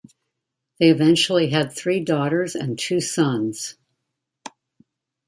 They eventually had three daughters and two sons.